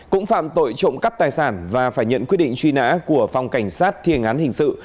cũng phạm tội trộm cắp tài sản và phải nhận quyết định truy nã của phòng cảnh sát thiên án hình sự